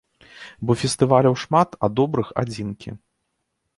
Бо фестываляў шмат, а добрых адзінкі.